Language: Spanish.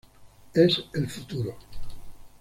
Es el futuro.